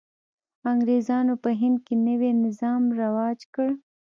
انګرېزانو په هند کې نوی نظام رواج کړ.